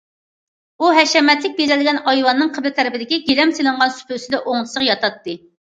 ئۇ ھەشەمەتلىك بېزەلگەن ئايۋاننىڭ قىبلە تەرىپىدىكى گىلەم سېلىنغان سۇپا ئۈستىدە ئوڭدىسىغا ياتاتتى.